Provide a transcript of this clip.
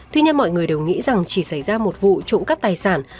tuy nhiên mọi người đều nghĩ rằng chỉ xảy ra một vụ trộm cắp tài sản